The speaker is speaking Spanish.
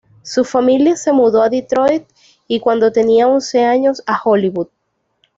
Su familia se mudó a Detroit y, cuando tenía once años, a Hollywood.